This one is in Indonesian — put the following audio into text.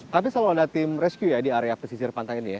tapi selalu ada tim rescue ya di area pesisir pantai ini ya